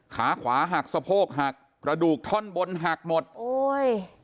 ขาขวาหักสะโพกหักกระดูกท่อนบนหักหมดโอ้ย